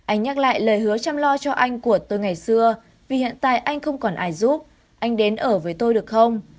anh nhắc lại lời hứa chăm lo cho anh của tôi ngày xưa vì hiện tại anh không còn ai giúp anh đến ở với tôi được không